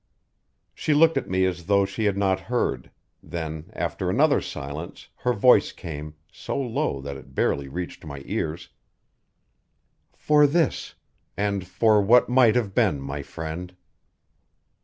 She looked at me as though she had not heard; then, after another silence, her voice came, so low that it barely reached my ears: "For this and for what might have been, my friend."